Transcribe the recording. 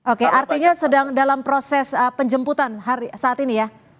oke artinya sedang dalam proses penjemputan saat ini ya